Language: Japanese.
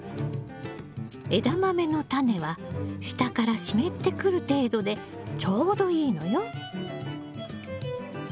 エダマメのタネは下から湿ってくる程度でちょうどいいのよ。